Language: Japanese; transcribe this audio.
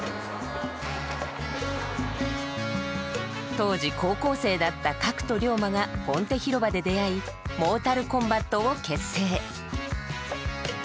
当時高校生だったＫａｋｕとＲＹＯＭＡがポンテ広場で出会いモータルコンバットを結成。